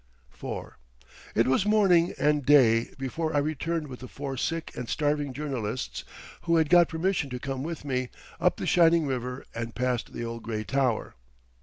IV It was morning and day before I returned with the four sick and starving journalists who had got permission to come with me, up the shining river, and past the old grey Tower....